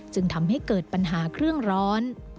จึงทำให้เกิดปัญหาเครื่องร้อน